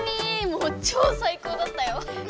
もうちょう最高だったよ。